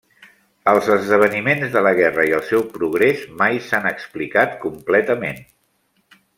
Els esdeveniments de la guerra i el seu progrés mai s'han explicat completament.